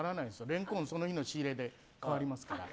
レンコン、その日の仕入れで変わりますから。